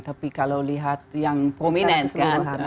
tapi kalau lihat yang prominent kan